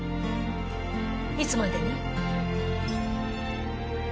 いつまでに？